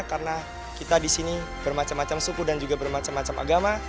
karena kita di sini bermacam macam suku dan juga bermacam macam agama